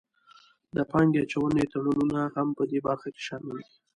د پانګې اچونې تړونونه هم پدې برخه کې شامل دي